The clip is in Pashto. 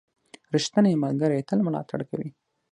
• ریښتینی ملګری تل ملاتړ کوي.